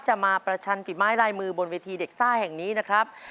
มาประชันฝีไม้ลายมือบนเวทีเด็กซ่าแห่งนี้นะครับ